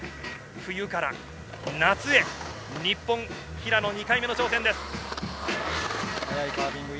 冬から夏へ日本、平野２回目の挑戦です。